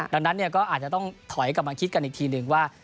ดังนั้นก็อาจจะต้องถอยกลับมาคิดกันอีกทีหนึ่งว่า